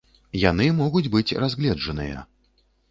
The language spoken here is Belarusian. Яны могуць быць разгледжаныя.